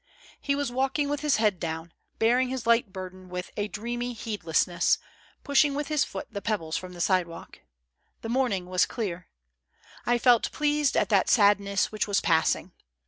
He was walking with his head down, bearing his light burden with a dreamy heedlessness, pushing Avith his foot the pebbles from the sidewalk. The morning was clear. I felt pleased at that sadness which was passing.